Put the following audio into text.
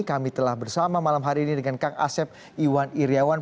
kami telah bersama malam hari ini dengan kang asep iwan iryawan